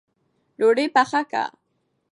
ډوډۍ پخه که